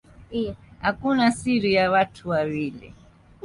Hakuna siri ya watu wawili